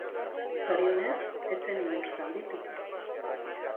Zorionez, ez zen inor zauritu.